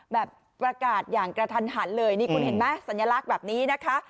แบบประกาศอย่างกระทันหันเลยนี่คุณเห็นไหมสัญลักษณ์แบบนี้นะคะ